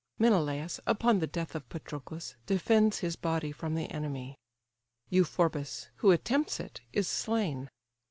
Menelaus, upon the death of Patroclus, defends his body from the enemy: Euphorbus, who attempts it, is slain.